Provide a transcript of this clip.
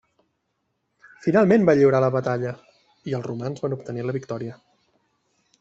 Finalment va lliurar la batalla i els romans van obtenir la victòria.